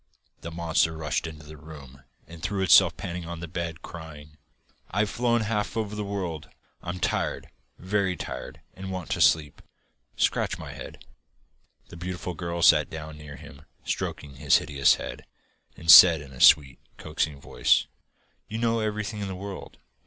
The monster rushed into the room, and threw itself panting on the bed, crying: 'I've flown half over the world. I'm tired, VERY tired, and want to sleep scratch my head.' The beautiful girl sat down near him, stroking his hideous head, and said in a sweet coaxing voice: 'You know everything in the world.